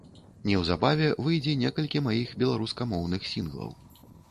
Неўзабаве выйдзе некалькі маіх беларускамоўных сінглаў.